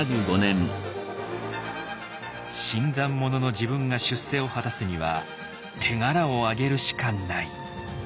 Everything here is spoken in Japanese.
「新参者の自分が出世を果たすには手柄をあげるしかない」。